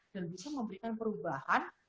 dan bisa memberikan perubahan